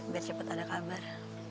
biar cepet ada kabar